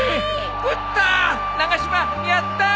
打ったー！